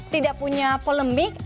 tidak punya polemik